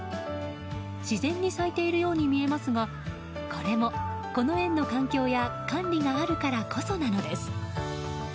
自然に咲いているように見えますがこれもこの園の環境や管理があるからこそなのです。